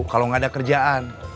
kalau enggak ada kerjaan